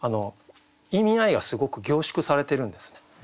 意味合いがすごく凝縮されてるんですね。